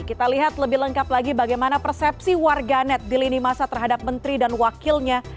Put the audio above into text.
kita lihat lebih lengkap lagi bagaimana persepsi warganet di lini masa terhadap menteri dan wakilnya